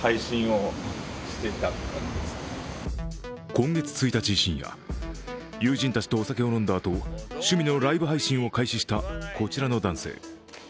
今月１日深夜、友人たちとお酒を飲んだあと趣味のライブ配信を開始した、こちらの男性。